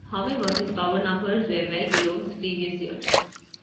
However, his power numbers were well below his previous years.